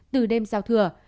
từ đêm sao thừa